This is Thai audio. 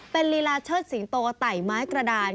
เป็นลีลาเชิดสิงโตไต่ไม้กระดาน